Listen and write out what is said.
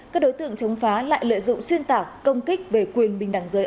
các đối tượng chống phá lại lợi dụng xuyên tạc công kích về quyền bình đẳng giới